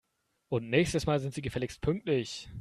Und nächstes Mal sind Sie gefälligst pünktlich!